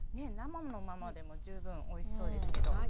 生のままでも十分おいしそうですけど。